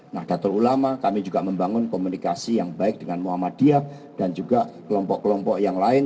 nah datul ulama kami juga membangun komunikasi yang baik dengan muhammadiyah dan juga kelompok kelompok yang lain